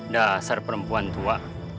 dasar perempuan tua